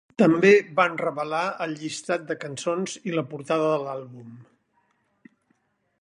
També van revelar el llistat de cançons i la portada de l'àlbum.